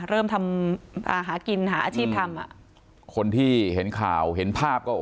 เริ่มทำอ่าหากินหาอาชีพทำอ่ะคนที่เห็นข่าวเห็นภาพก็